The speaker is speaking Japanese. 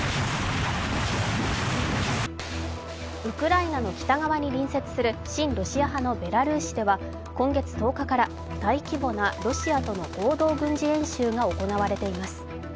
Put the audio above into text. ウクライナの北側に隣接する親ロシア派のベラルーシでは今月１０日から大規模なロシアとの合同軍事演習が行われています。